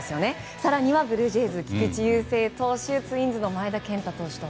更にはブルージェイズの菊池雄星投手ツインズの前田健太投手と。